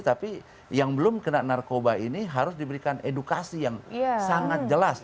tapi yang belum kena narkoba ini harus diberikan edukasi yang sangat jelas